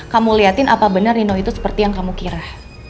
kamu liatin apa benar nino itu seperti yang kamu kira